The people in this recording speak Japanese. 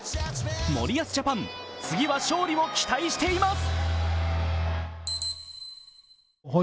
森保ジャパン、次は勝利を期待しています。